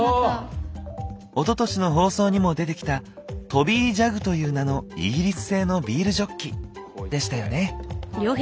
おととしの放送にも出てきたトビージャグという名のイギリス製のビールジョッキでしたよね？